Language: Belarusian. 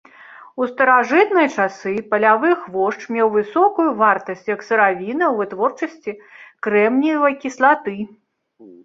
У старажытныя часы палявы хвошч меў высокую вартасць як сыравіна ў вытворчасці крэмніевай кіслаты.